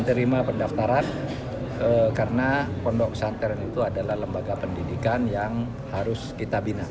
terima pendaftaran karena pondok pesantren itu adalah lembaga pendidikan yang harus kita bina